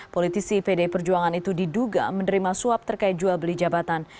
politisi pdi perjuangan itu diduga menerima suap terkait jual beli jabatan